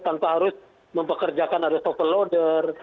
tanpa harus mempekerjakan ada soft loader